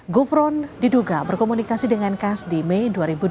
gufron diduga berkomunikasi dengan kas di mei dua ribu dua puluh